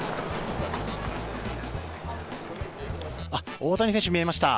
大谷選手、見えました。